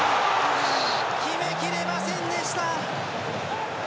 決めきれませんでした。